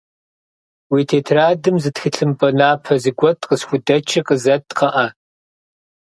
Уи тетрадым зы тхылъымпӏэ напэ зэгуэт къысхудэчи къызэт, кхъыӏэ.